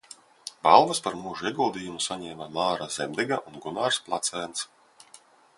Balvas par mūža ieguldījumu saņēma Māra Zemdega un Gunārs Placēns.